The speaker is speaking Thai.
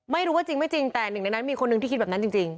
ไม่รู้ว่าจริงไม่จริงแต่หนึ่งในนั้นมีคนหนึ่งที่คิดแบบนั้นจริง